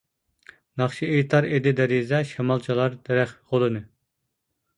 ناخشا ئېيتار ئىدى دېرىزە، شامال چالار دەرەخ غولىنى.